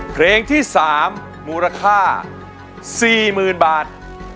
เพลงที่๓มูลค่า๔๐๐๐บาท